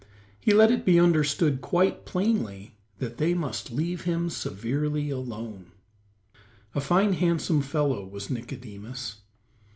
He let it be understood quite plainly that they must leave him severely alone. A fine, handsome fellow was Nicodemus.